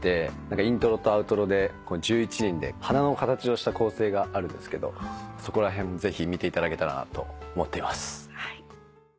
イントロとアウトロで１１人で花の形をした構成があるんですけどそこら辺もぜひ見ていただけたらと思っています。